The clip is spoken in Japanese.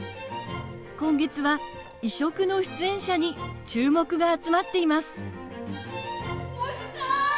今月は異色の出演者に注目が集まっています。